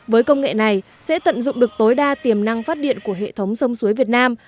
với công nghệ này sẽ tận dụng được tối đa tiềm năng phát điện của hệ thống sông suối việt nam